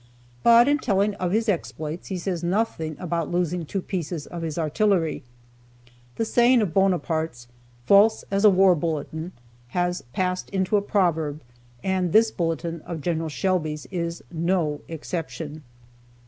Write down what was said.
But, in telling of his exploits, he says nothing about losing two pieces of his artillery. The saying of Bonaparte's, "False as a war bulletin," has passed into a proverb, and this bulletin of Gen. Shelby's is no exception.